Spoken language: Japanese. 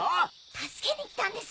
助けに来たんです！